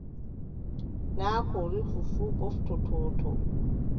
Naa ko rufi fuu ɓoftodottoo.